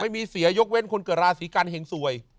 ไม่มีเสียยกเว้นคนเกิดราศิกัณฑ์เหง้งสวย